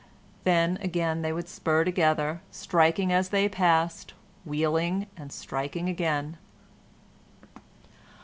Then, again, they would spur together, striking as they passed, wheeling and striking again.